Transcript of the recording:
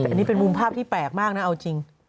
อันนี้เป็นมุมภาพที่แปลกมากนะเอาจริง